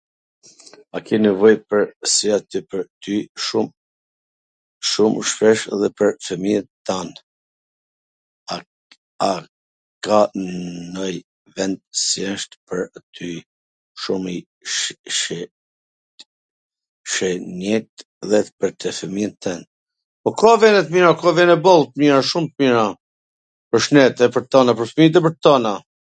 A ka ndonjw vend qw wsht i shenjt pwr ty dhe fwmijwn twnd? Ka vene boll t mira, shum t mira, pwr shnet, pwr t twna, pwr fmijt e pwr t twna.